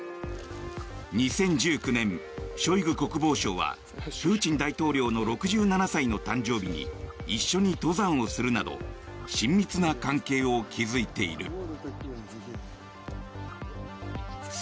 ２０１９年、ショイグ国防相はプーチン大統領の６７歳の誕生日に一緒に登山をするなど親密な関係を築いている。